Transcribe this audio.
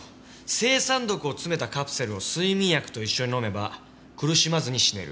青酸毒を詰めたカプセルを睡眠薬と一緒に飲めば苦しまずに死ねる。